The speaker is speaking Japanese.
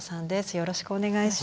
よろしくお願いします。